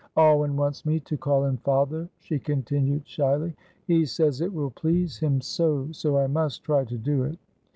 Alwyn wants me to call him 'Father,'" she continued, shyly. "He says it will please him so, so I must try to do it.